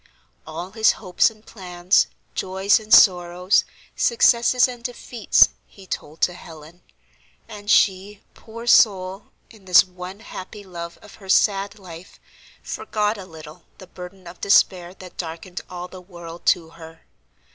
All his hopes and plans, joys and sorrows, successes and defeats, he told to Helen. And she, poor soul, in this one happy love of her sad life, forgot a little the burden of despair that darkened all the world to her.